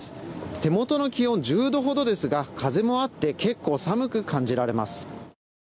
手元の気温１０度ほどですが、風もあって結構寒く感じられます。